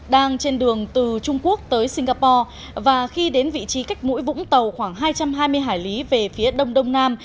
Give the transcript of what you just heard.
đang trên đường từ trung quốc tới singapore và khi đến vị trí cách mũi vũng tàu khoảng hai trăm hai mươi hải lý về phía đông đông nam